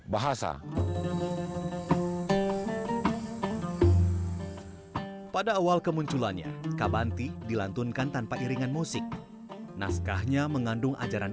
bahasa pada awal kemunculannya kabanti dilantunkan tanpa iringan musik naskahnya mengandung ajaran